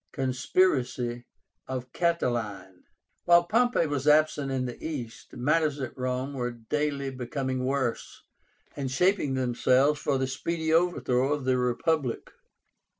CONSPIRACY OF CATILINE. While Pompey was absent in the East, matters at Rome were daily becoming worse, and shaping themselves for the speedy overthrow of the Republic.